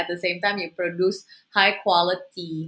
mereka memproduksi produk yang berkualitas